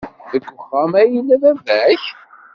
Deg uxxam ay yella baba-k?